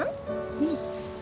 うん。